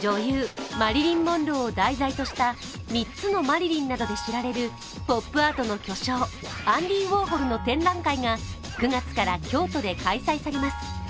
女優、マリリン・モンローを題材とした「三つのマリリン」などで知られるポップアートの巨匠、アンディ・ウォーホルの展覧会が９月から京都で開催されます。